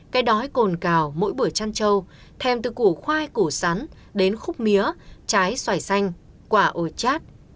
cái đói cồn cào mỗi bữa chăn trâu thèm từ củ khoai củ sắn đến khúc mía trái xoài xanh quả ột chát